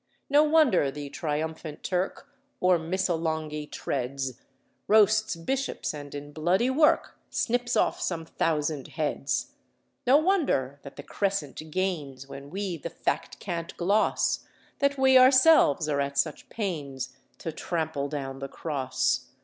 "No wonder the triumphant Turk O'er Missolonghi treads, Roasts bishops, and in bloody work Snips off some thousand heads! No wonder that the Crescent gains, When we the fact can't gloss, That we ourselves are at such pains To trample down the Cross!